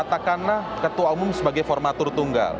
katakanlah ketua umum sebagai formatur tunggal